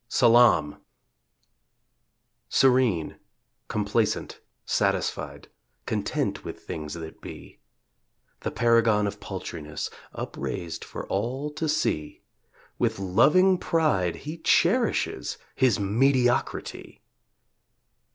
SALAAM! Serene, complacent, satisfied, Content with things that be; The paragon of paltriness Upraised for all to see; With loving pride he cherishes His mediocrity!